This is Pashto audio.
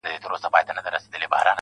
سیاه پوسي ده، ورځ نه ده شپه ده.